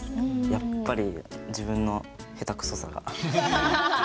やっぱり自分の下手くそさが目に見えて。